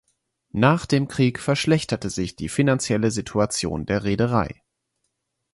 Nach dem Krieg verschlechterte sich die finanzielle Situation der Reederei.